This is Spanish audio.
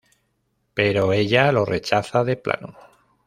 Pero ella lo rechaza de plano.